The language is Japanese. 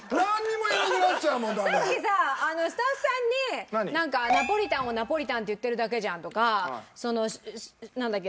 さっきさスタッフさんに「ナポリタンをナポリタンって言ってるだけじゃん」とかそのなんだっけ？